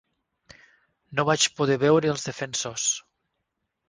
No vaig poder veure als defensors.